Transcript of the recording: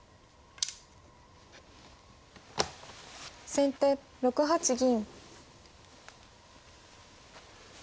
先手６八銀。